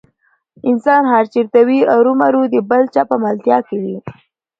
انسان هر چېرته وي ارومرو د بل چا په ملتیا کې وي.